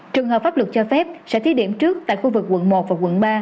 trường hợp pháp luật cho phép sẽ thí điểm trước tại khu vực quận một và quận ba